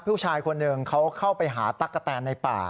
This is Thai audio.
ผู้ชายคนหนึ่งเขาเข้าไปหาตั๊กกะแตนในป่า